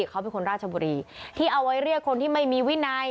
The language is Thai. เขาเป็นคนราชบุรีที่เอาไว้เรียกคนที่ไม่มีวินัย